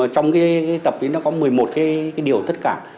trong cái tập thì nó có một mươi một cái điều tất cả